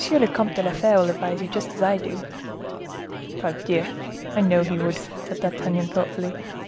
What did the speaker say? le Comte de la Fere would advise you just as I do." "Pardieu! I know he would," said D'Artagnan thoughtfully.